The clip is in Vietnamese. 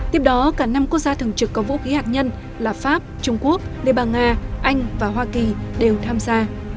tiếp đó cả năm quốc gia thường trực có vũ khí hạt nhân là pháp trung quốc lê bàng nga anh và hoa kỳ đều tham gia